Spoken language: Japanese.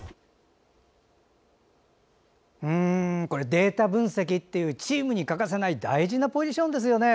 データ分析っていうチームに欠かせない大事なポジションですよね。